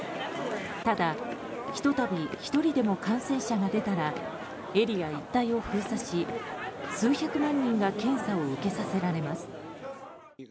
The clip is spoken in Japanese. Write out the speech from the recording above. ただ、ひと度１人でも感染者が出たらエリア一帯を封鎖し数百万人が検査を受けさせられます。